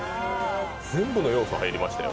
全部の要素、入りましたよ。